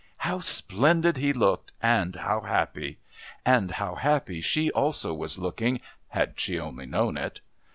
How splendid he looked and how happy! And how happy she also was looking had she only known it!